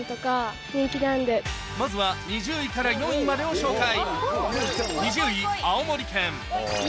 まずは２０位から４位までを紹介